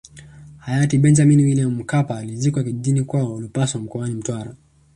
Hayati Benjamini Wiliam Mkapa alizikwa kijijini kwao Lupaso mkoani Mtwara